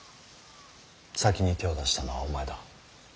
先に手を出したのはお前だ。